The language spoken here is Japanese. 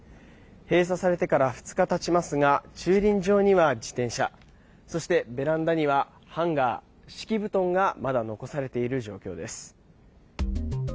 閉鎖されてから２日たちますが駐輪場には自転車そしてベランダにはハンガー敷布団がまだ残されている状況です。